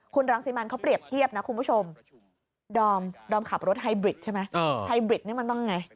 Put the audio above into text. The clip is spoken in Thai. คุณรังสิมันเขาเปรียบเทียบนะคุณผู้ชมดอมดอมขับรถไฮบริดใช่ไหมไฮบริดนี่มันต้องไง